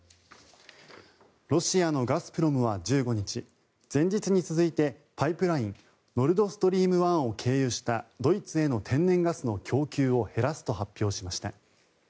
ロシアのガスプロムは１５日前日に続いてパイプラインノルド・ストリーム１を経由したドイツへの天然ガスの供給を減らすと発表しました。